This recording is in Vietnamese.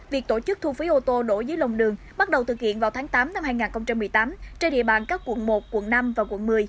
việc tổ chức thu phí ô tô đỗ dưới lòng đường bắt đầu thực hiện vào tháng tám năm hai nghìn một mươi tám trên địa bàn các quận một quận năm và quận một mươi